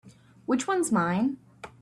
Which one is mine?